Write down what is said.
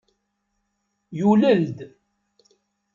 Yulel-d.